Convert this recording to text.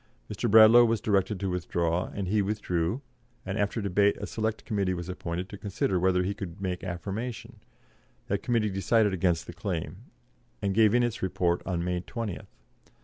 Mr. Bradlaugh was directed to withdraw, and he withdrew, and, after debate, a Select Committee was appointed to consider whether he could make affirmation; that Committee decided against the claim, and gave in its report on May 20th.